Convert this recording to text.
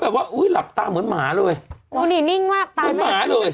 แบบว่าอุ้ยหลับตาเหมือนหมาเลยโอ๊ยนี่นิ่งมากตายหมาเลย